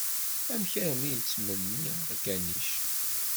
Amek armi i d-yettmenni akanic?